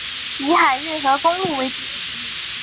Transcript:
以海运和公路为主。